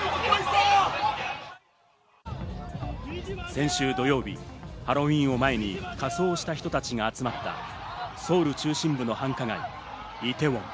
先週土曜日、ハロウィーンを前に仮装した人たちが集まった、ソウル中心部の繁華街イテウォン。